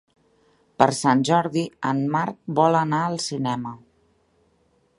Per Sant Jordi en Marc vol anar al cinema.